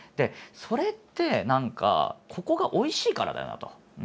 それって何かここがおいしいからだよなと。